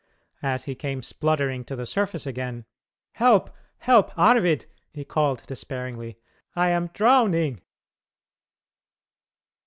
As he came spluttering to the surface again, "Help, help, Arvid," he called despairingly; "I am drowning!"